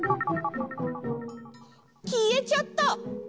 きえちゃった！